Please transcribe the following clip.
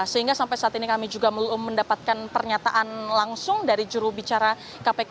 sehingga sampai saat ini kami juga belum mendapatkan pernyataan langsung dari jurubicara kpk